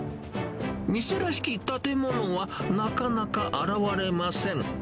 店らしき建物は、なかなか現れません。